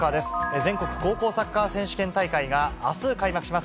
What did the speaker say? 全国高校サッカー選手権大会があす開幕します。